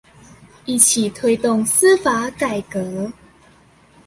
一起推動司法改革